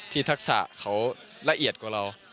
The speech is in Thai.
ทักษะเขาละเอียดกว่าเรา